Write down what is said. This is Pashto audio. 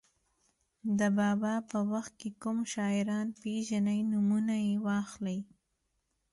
د بابا په وخت کې کوم شاعران پېژنئ نومونه یې واخلئ.